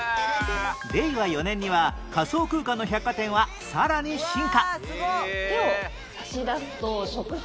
令和４年には仮想空間の百貨店はさらに進化